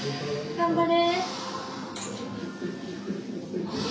頑張れ！